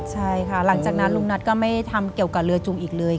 ใช่ค่ะหลังจากนั้นลุงนัทก็ไม่ทำเกี่ยวกับเรือจุงอีกเลย